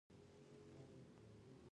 مکتبونه څنګه وساتو؟